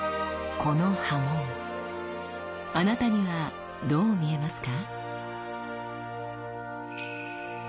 この刃文あなたにはどう見えますか？